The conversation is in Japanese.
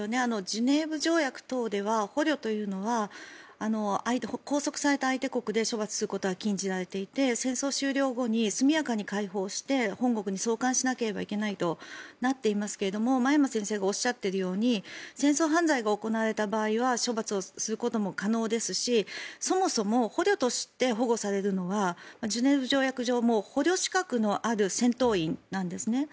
ジュネーブ条約等では捕虜というのは拘束された相手国で処罰されることは禁じられていて戦争終了後に速やかに解放して本国に送還しなければいけないとなっていますが真山先生がおっしゃっているように戦争犯罪が行われた場合は処罰することも可能ですしそもそも捕虜として保護されるのはジュネーブ条約上捕虜資格のある戦闘員なんですね。